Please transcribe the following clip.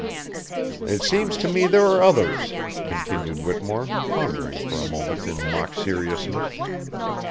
"It seems to me there were others," continued Whittemore, pondering for a moment in mock seriousness.